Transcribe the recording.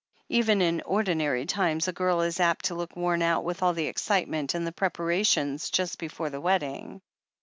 Even in ordinary times a girl is apt to look worn out witfi all the excitement and the prepara tions just before the wedding.